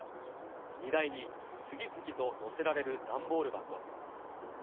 荷台に次々と載せられる段ボール箱。